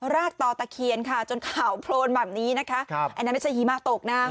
รากต่อตะเคียนค่ะจนขาวโพลนแบบนี้นะคะครับอันนั้นไม่ใช่หิมะตกนะ